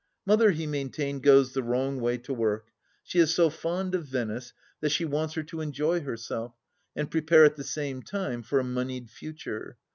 Mother, he maintained, goes the wrong way to work. She is so fond of Venice that she wants her to enjoy herself, and prepare at the same time for a moneyed future.